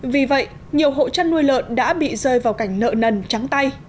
vì vậy nhiều hộ chăn nuôi lợn đã bị rơi vào cảnh nợ nần trắng tay